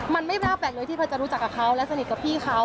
มันไม่น่าแปลกเลยที่พอจะรู้จักกับเขาและสนิทกับพี่เขา